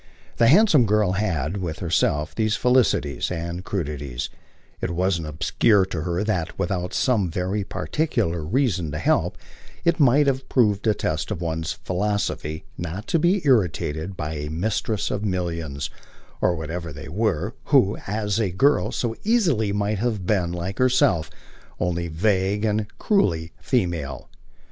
The handsome girl had, with herself, these felicities and crudities: it wasn't obscure to her that, without some very particular reason to help, it might have proved a test of one's philosophy not to be irritated by a mistress of millions, or whatever they were, who, as a girl, so easily might have been, like herself, only vague and cruelly female.